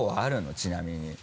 ちなみに。